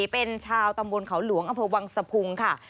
เป็นชาวตำบลเขาหลวงอำเภอวังสะพุงค่ะ